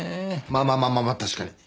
まあまあまあまあ確かに。